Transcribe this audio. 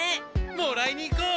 もらいに行こう！